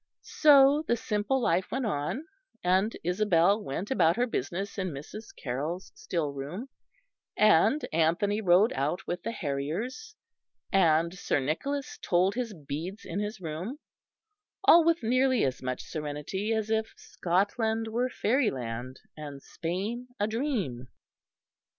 So the simple life went on, and Isabel went about her business in Mrs. Carroll's still room, and Anthony rode out with the harriers, and Sir Nicholas told his beads in his room all with nearly as much serenity as if Scotland were fairyland and Spain a dream.